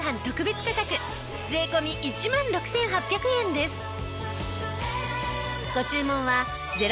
特別価格税込１万６８００円です。